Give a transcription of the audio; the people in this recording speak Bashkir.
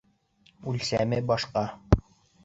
Үлсәме башҡа.